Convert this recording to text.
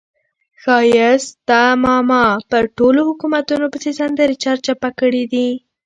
ښایسته ماما په ټولو حکومتونو پسې سندرې سرچپه کړې دي.